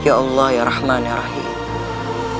ya allah ya rahman ya rahim